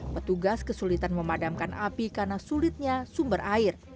petugas kesulitan memadamkan api karena sulitnya sumber air